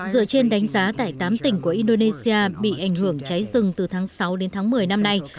dựa trên đánh giá tại tám tỉnh của indonesia bị ảnh hưởng cháy rừng từ tháng sáu đến tháng một mươi năm nay